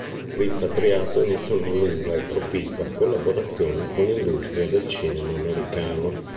Rimpatriato, iniziò una lunga e proficua collaborazione con l'industria del cinema americano.